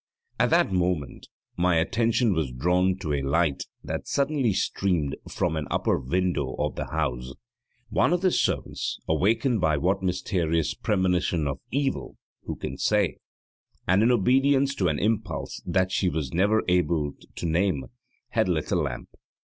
At that moment my attention was drawn to a light that suddenly streamed from an upper window of the house: one of the servants, awakened by what mysterious premonition of evil who can say, and in obedience to an impulse that she was never able to name, had lit a lamp.